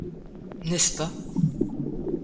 N’est-ce pas ?